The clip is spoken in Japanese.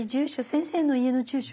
先生の家の住所？